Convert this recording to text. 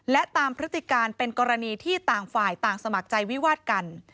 และตามพฤติการเป็นกรณีที่ต่างฝ่ายต่างสมัครใจวิวาดกัน